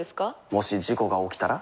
もし事故が起きたら？